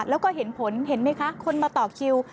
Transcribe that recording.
แล้วก็เห็นผลเห็นไหมคะคนมาต่อคิว